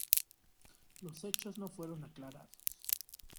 Los hechos no fueron aclarados.